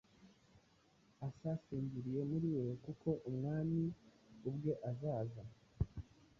asasinziriye muri we. Kuko Umwami ubwe azaza,